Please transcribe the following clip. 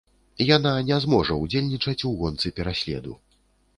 Яна не зможа ўдзельнічаць у гонцы пераследу.